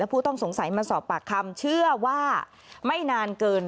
ผู้ต้องสงสัยมาสอบปากคำเชื่อว่าไม่นานเกิน